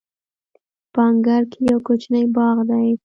په انګړ کې یو کوچنی باغ دی.